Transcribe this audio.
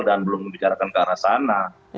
dan belum membicarakan ke arah sana